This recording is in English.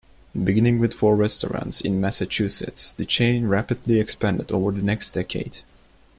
Beginning with four restaurants in Massachusetts, the chain rapidly expanded over the next decade.